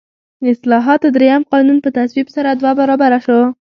د اصلاحاتو درېیم قانون په تصویب سره دوه برابره شو.